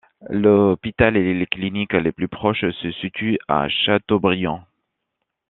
L'hôpital et les cliniques les plus proches se situent à Châteaubriant.